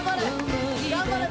頑張れ。